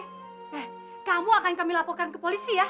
nah kamu akan kami laporkan ke polisi ya